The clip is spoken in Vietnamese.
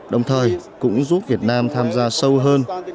đồng thời cũng giúp việt nam tham gia sâu hơn